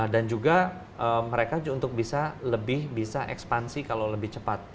dan juga mereka untuk bisa lebih bisa ekspansi kalau lebih cepat